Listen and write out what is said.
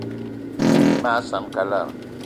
Bí mag saan kalara.